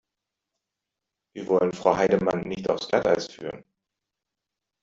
Wir wollen Frau Heidemann nicht aufs Glatteis führen.